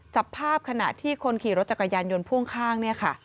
จับภาพขณะที่คนขี่รถจักรยานยนต์พ่วงข้างเนี่ยค่ะ